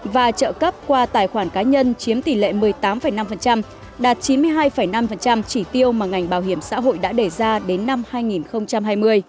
và trợ cấp qua tài khoản cá nhân chiếm tỷ lệ một mươi tám năm đạt chín mươi hai năm chỉ tiêu mà ngành bảo hiểm xã hội đã đề ra đến năm hai nghìn hai mươi